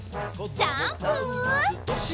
ジャンプ！